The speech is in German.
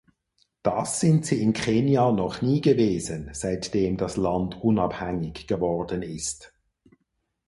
Das sind sie in Kenia noch nie gewesen, seitdem das Land unabhängig geworden ist.